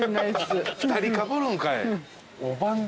２人かぶるんかい。